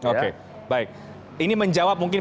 oke baik ini menjawab mungkin